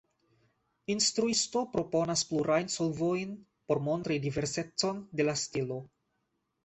Instruisto proponas plurajn solvojn por montri diversecon de la stilo.